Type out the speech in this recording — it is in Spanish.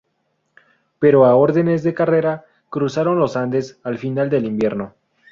Pero a órdenes de Carrera cruzaron los Andes al final del invierno.